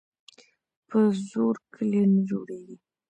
په زور کلي نه جوړیږي.